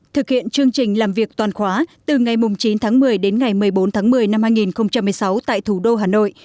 thực hiện chương trình làm việc toàn khóa từ ngày chín tháng một mươi đến ngày một mươi bốn tháng một mươi năm hai nghìn một mươi sáu tại thủ đô hà nội